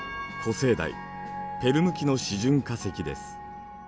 生代・ペルム紀の示準化石です。